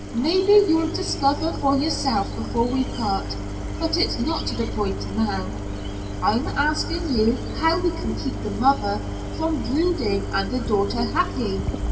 Maybe you'll discover for yourself before we part but it's not to the point now. I'm asking you how we can keep the mother from brooding and the daughter happy?